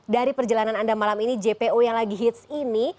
dari perjalanan anda malam ini jpo yang lagi hits ini